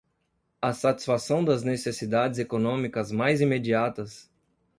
a satisfação das necessidades econômicas mais imediatas